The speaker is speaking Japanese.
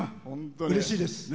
うれしいです。